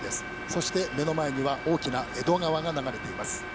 そして、目の前には大きな江戸川が流れています。